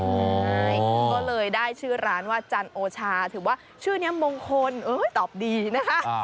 ใช่ก็เลยได้ชื่อร้านว่าจันโอชาถือว่าชื่อนี้มงคลตอบดีนะคะ